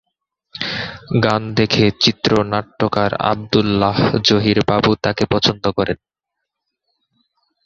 গান দেখে চিত্রনাট্যকার আব্দুল্লাহ জহির বাবু তাকে পছন্দ করেন।